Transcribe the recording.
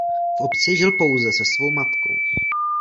V obci žil pouze se svou matkou.